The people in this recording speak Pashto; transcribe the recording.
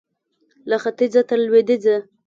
له ختیځه تر لوېدیځه